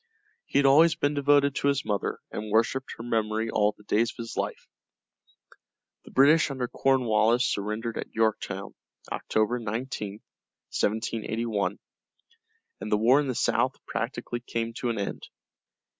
He had always been devoted to his mother and worshipped her memory all the days of his life. The British under Cornwallis surrendered at Yorktown, October 19, 1781, and the war in the south practically came to an end.